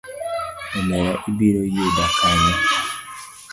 Omera ibiro yuda kanyo.